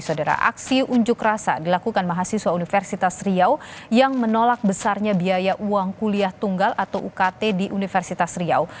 saudara aksi unjuk rasa dilakukan mahasiswa universitas riau yang menolak besarnya biaya uang kuliah tunggal atau ukt di universitas riau